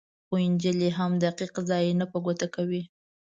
خو انجیل یې هم دقیق ځای نه په ګوته کوي.